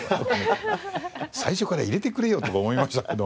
最初から入れてくれよとか思いましたけど。